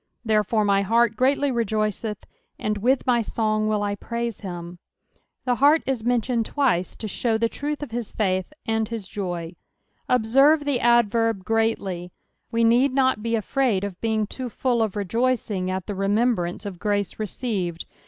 " Therefart my heart greaUy rqoieeth; tuu{ «ri(A my tong uUl I praUe him." The heart is mentioned twice to show the tmth of bis faith and his joy. Observe the adverb " greatly," we need not be alrud of being too full of rcjoiring at the remembrance of grace received.